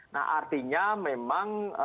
nah artinya memang